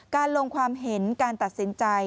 การลงความเห็นการตัดสินใจ